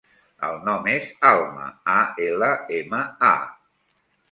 El nom és Alma: a, ela, ema, a.